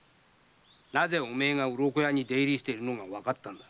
なぜおめえがうろこやに出入りしているのがわかったんだ？